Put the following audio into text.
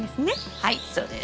はいそうです。